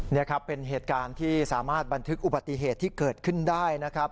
นี่ครับเป็นเหตุการณ์ที่สามารถบันทึกอุบัติเหตุที่เกิดขึ้นได้นะครับ